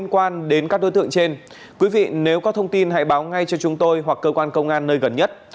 nếu có thông tin hãy báo ngay cho chúng tôi hoặc cơ quan công an nơi gần nhất